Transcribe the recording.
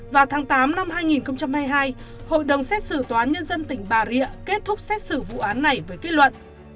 vào tháng tám năm hai nghìn hai mươi hai hội đồng xét xử tòa án nhân dân tỉnh bà rịa kết thúc xét xử vụ án này với kết luận